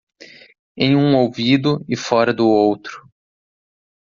Em um ouvido e fora do outro.